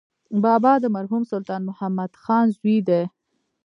بابا د مرحوم سلطان محمد خان زوی دی.